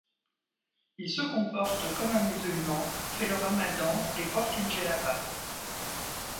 Il se comporte comme un musulman, fait le ramadan et porte une djelaba.